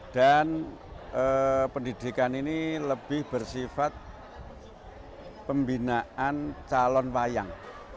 dan pendidikan ini lebih bersifat pembinaan calon wayang